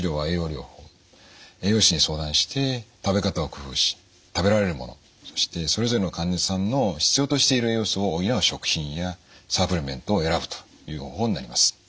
栄養士に相談して食べ方を工夫し食べられるものそしてそれぞれの患者さんの必要としている栄養素を補う食品やサプリメントを選ぶという方法になります。